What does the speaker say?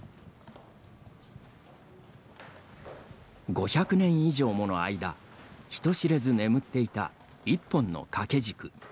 ５００年以上もの間人知れず眠っていた一本の掛け軸。